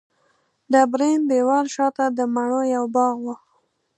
ډبرین دېوال شاته د مڼو یو باغ و.